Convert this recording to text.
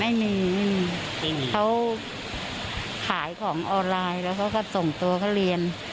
ไม่มีไม่มีเขาขายของออนไลน์แล้วเขาก็ส่งตัวเขาเรียน